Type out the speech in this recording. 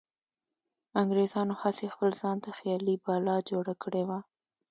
انګریزانو هسې خپل ځانته خیالي بلا جوړه کړې وه.